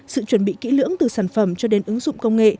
sự chuẩn bị kỹ lưỡng từ sản phẩm cho đến ứng dụng công nghệ